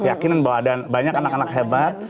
keyakinan bahwa ada banyak anak anak hebat